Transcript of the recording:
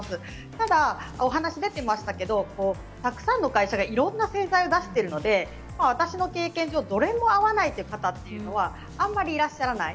ただ、お話出ていましたけどたくさんの会社がいろんな製剤を出しているので私の経験上どれも合わないという方はあんまりいらっしゃらない。